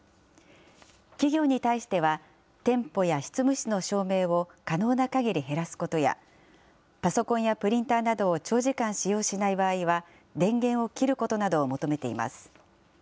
企業に対しては、店舗や執務室の照明を可能なかぎり減らすことや、パソコンやプリンターなどを長時間使用しない場合は、電源を切ることなどを求めています。